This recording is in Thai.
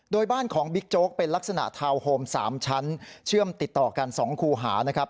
โดยบ้านของบิ๊กโจ๊กเป็นลักษณะทาวน์โฮม๓ชั้นเชื่อมติดต่อกัน๒คูหานะครับ